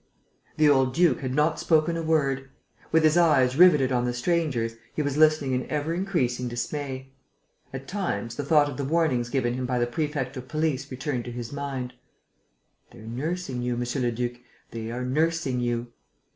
The old duke had not spoken a word. With his eyes riveted on the stranger's, he was listening in ever increasing dismay. At times, the thought of the warnings given him by the prefect of police returned to his mind: "They're nursing you, monsieur le duc, they are nursing you."